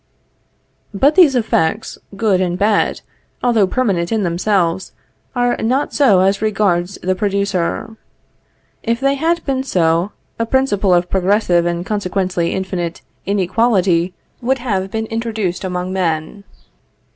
But these effects, good and bad, although permanent in themselves, are not so as regards the producer. If they had been so, a principle of progressive and consequently infinite inequality would have been introduced among men.